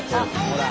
ほら。